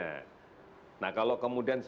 nah kalau kemudian spesimennya itu tidak akan diperiksa